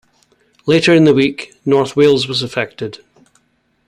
Later in the week, north Wales was affected.